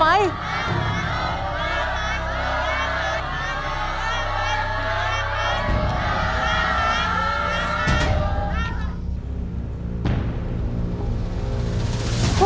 ฮาวะละพร้อม